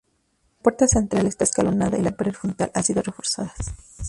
La puerta central esta escalonada y la pared frontal han sido reforzadas.